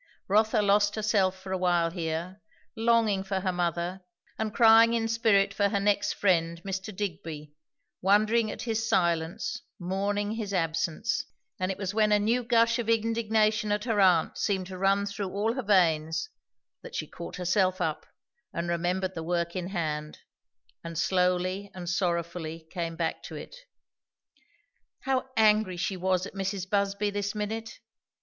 Rotha lost herself for a while here, longing for her mother, and crying in spirit for her next friend, Mr. Digby; wondering at his silence, mourning his absence; and it was when a new gush of indignation at her aunt seemed to run through all her veins, that she caught herself up and remembered the work in hand, and slowly and sorrowfully came back to it. How angry she was at Mrs. Busby this minute!